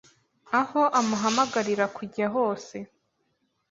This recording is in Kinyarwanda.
aho amuhamagarira kujya hose.